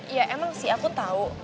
ya emang sih aku tahu